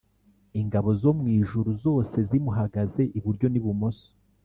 ingabo zo mu ijuru zose zimuhagaze iburyo n’ibumoso